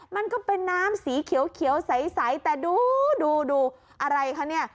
มันก็เป็นน้ำสีเขียวใสแต่ดูดูอะไรคะเนี่ย